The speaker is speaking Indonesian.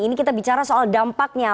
ini kita bicara soal dampaknya